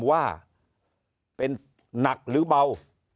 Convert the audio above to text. ว่าเป็นหนักหรือเบา